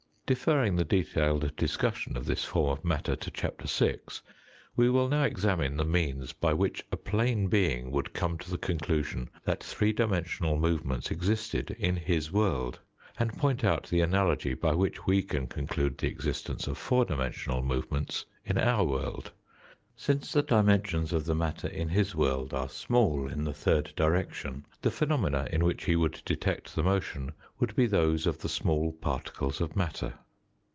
Deferring the detailed discussion of this form of matter to Chapter VI., we will now examine the means by which a plane being would come to the conclusion that three dimensional movements existed in his world, and point out the analogy by which we can conclude the existence of four dimensional movements in our world. Since the dimensions of the matter in his world are small in the third direction, the phenomena in which he would detect the motion would be those of the small particles of matter.